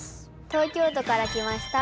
東京都から来ました